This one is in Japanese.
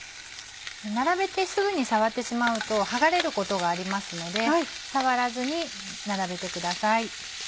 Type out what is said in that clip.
並べてすぐに触ってしまうと剥がれることがありますので触らずに並べてください。